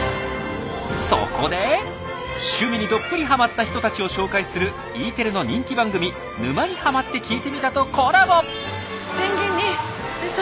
そこで趣味にどっぷりハマった人たちを紹介するＥテレの人気番組「沼にハマってきいてみた」とコラボ！